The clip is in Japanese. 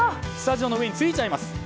スタジオの上までついちゃいます。